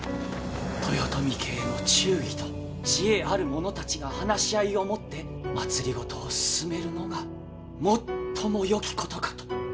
豊臣家への忠義と知恵ある者たちが話し合いをもって政を進めるのが最もよきことかと。